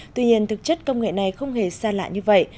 tuy nhiên thực chất công nghệ này không hề xa lạ như vậy